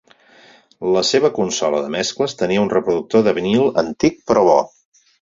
La seva consola de mescles tenia un reproductor de vinil antic però bo.